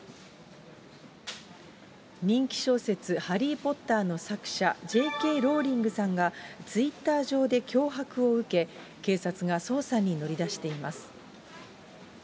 人気小説、ハリー・ポッターの作者、Ｊ・Ｋ・ローリングさんがツイッター上で脅迫を受け、警察が捜査に乗り出しています。